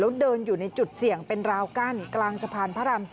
แล้วเดินอยู่ในจุดเสี่ยงเป็นราวกั้นกลางสะพานพระราม๔